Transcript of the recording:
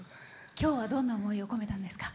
今日はどんな思いを込めたんですか？